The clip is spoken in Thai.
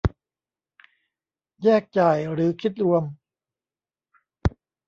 แยกจ่ายหรือคิดรวม